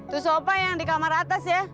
tuh sofa yang di kamar atas ya